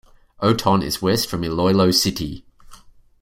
Oton is west from Iloilo City.